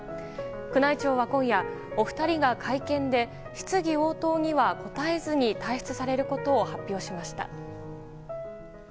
宮内庁は今夜お二人が会見で質疑応答には答えずに退室されることを発表しました。